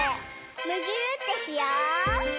むぎゅーってしよう！